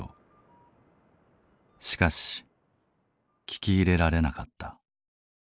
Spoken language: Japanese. しかし聞き入れられなかった。